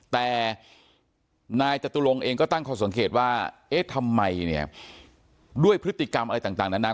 แต่นายจตุลงเองก็ตั้งข้อสังเกตว่าเอ๊ะทำไมเนี่ยด้วยพฤติกรรมอะไรต่างนานา